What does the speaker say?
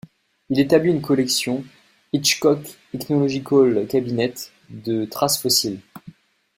Il établit une collection, Hitchcock Ichnological Cabinet, de traces fossiles.